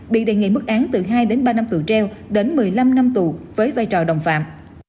bị đề nghị mức án từ hai đến ba năm tù treo đến một mươi năm năm tù với vai trò đồng phạm